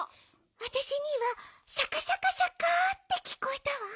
わたしにはシャカシャカシャカってきこえたわ。